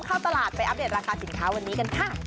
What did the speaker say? เข้าตลาดไปอัปเดตราคาสินค้าวันนี้กันค่ะ